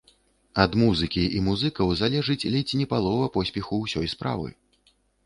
Ад музыкі і музыкаў залежыць ледзь не палова поспеху ўсёй справы!